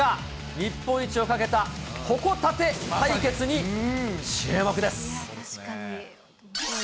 日本一を懸けたほこたて対決に注目です。